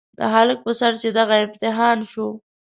د هلک په سر چې دغه امتحان شو.